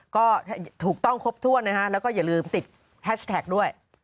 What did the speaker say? ก็ถูกต้องครบถ้วนนะฮะแล้วก็อย่าลืมติดแฮชแท็กด้วย